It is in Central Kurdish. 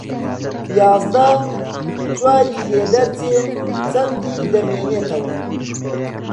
یازدە چواری لێدەرچێ چەندی دەمێنێتەوە